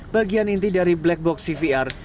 bagian inti dari black box cvr